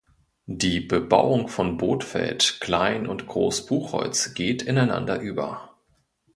Die Bebauung von Bothfeld, Klein- und Groß-Buchholz geht ineinander über.